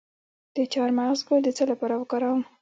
د چارمغز ګل د څه لپاره وکاروم؟